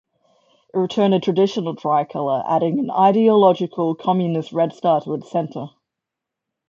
It returned the traditional tricolor adding an ideological communist Red Star to its center.